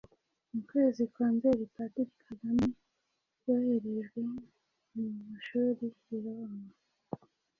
Mu kwezi kwa Nzeli Padiri Kagame yoherejwe mu mashuri i Roma.